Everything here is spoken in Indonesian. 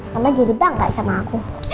mama jadi bangga sama aku